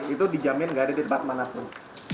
itu dijamin gak ada di tepat manapun